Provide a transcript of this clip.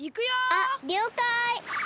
あっりょうかい。